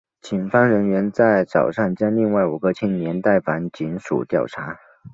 警方人员在早上将另外五个青年带返警署调查。